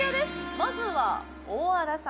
まずは大和田さん